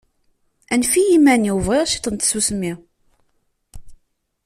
Anef-iyi iman-iw, bɣiɣ ciṭ n tsusmi